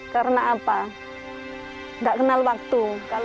karena apa tidak mengenal waktu